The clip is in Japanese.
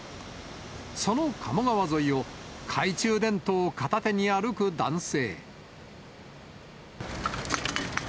その鴨川沿いを、懐中電灯片手に歩く男性。